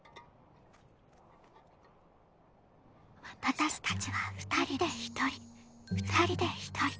私たちは二人で一人。